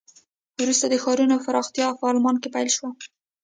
وروسته د ښارونو پراختیا په آلمان کې پیل شوه.